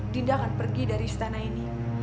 tidak akan pergi dari istana ini